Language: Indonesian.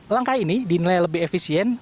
langkah ini dinilai lebih efisien